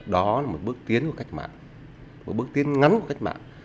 đó là một bước tiến của cách mạng một bước tiến ngắn của cách mạng